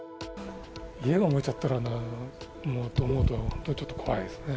家が燃えちゃったらと思うと、本当にちょっと怖いですね。